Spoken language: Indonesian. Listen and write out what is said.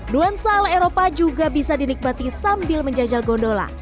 nuansal eropa juga bisa dinikmati sambil menjajal gondola